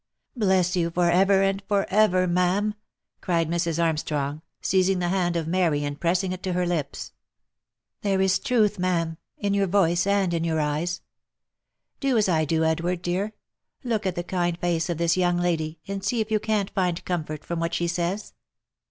(C Bless you for ever and for ever, ma'am !" cried Mrs. Armstrong, seizing the hand of Mary, and pressing it to her lips. " There is 16.8 THE LIFE AND ADVENTURES truth, ma'am, in your voice, and in your eyes. Do as I do, Edward, dear ! look at the kind face of this young lady, and see if you can't find comfort from what she says